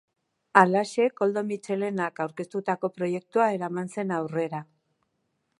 Halaxe, Koldo Mitxelenak aurkeztutako proiektua eraman zen aurrera.